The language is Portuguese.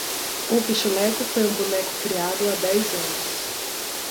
O pixuleco foi um boneco criado há dez anos